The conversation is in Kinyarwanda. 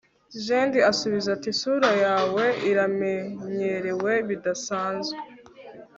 njedi asubiza ati isura yawe iramenyerewe bidasanzwe